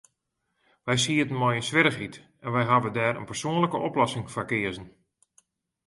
Wy sieten mei in swierrichheid, en wy hawwe dêr in persoanlike oplossing foar keazen.